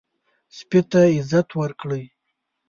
سپي ته عزت ورکړئ.